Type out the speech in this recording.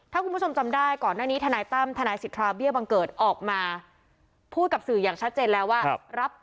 ถ้าคุณผู้ชมจำได้ก่อนหน้านี้บริเวณทนายตั้มทนายศีลภาพเบียบังเกิดออกมาพูดกับสื่ออย่างชัดเจนแล้วว่ารับเป็นทนายให้ลุงฝนฯ